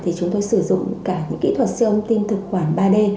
thì chúng tôi sử dụng cả những kỹ thuật siêu âm tim thực quản ba d